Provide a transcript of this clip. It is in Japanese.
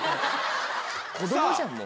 子供じゃんもう。